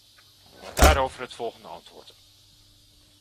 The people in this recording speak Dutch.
Daarover het volgende antwoord.